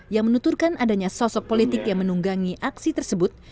yang menuturkan adanya sosok politik yang menunggangi aksi tersebut